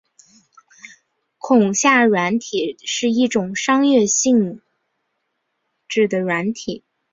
恐吓软体是一种商业性质的软体。